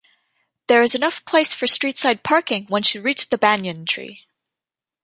There is enough place for street-side parking once you reach the Banyan tree.